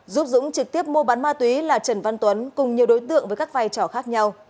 giúp dũng trực tiếp mua bán ma túy là trần văn tuấn cùng nhiều đối tượng với các vai trò khác nhau